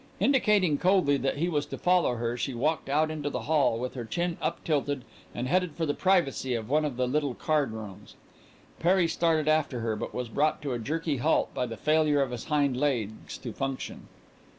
Indicating coldly that he was to follow her she walked out into the hall with her chin uptilted and headed for the privacy of one of the little card rooms. Perry started after her, but was brought to a jerky halt by the failure of his hind legs to function.